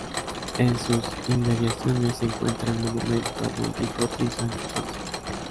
En sus inmediaciones se encuentra el monumento a Don Quijote y Sancho Panza.